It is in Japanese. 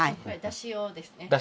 だし用ですね。